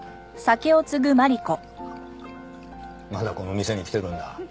まだこの店に来てるんだ。